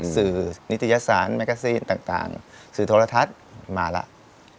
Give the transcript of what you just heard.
สื่อนิทยาศาสตร์แมกสินต่างสื่อโทรธัสมาแล้ว